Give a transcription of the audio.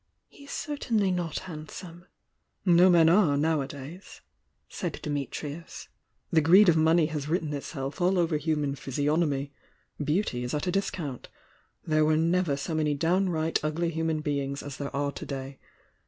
He's certainly not handsome." , "No men are, nowadays," said Dimitrms. The ere«l oTrSoney has written itself all over human Kopiomy Beauty is at a discount, there were Severlo many downright ugly human beings as Ear^ to day.